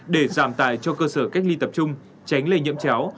để giảm tài cho cơ sở cách ly tập trung tránh lây nhiễm chéo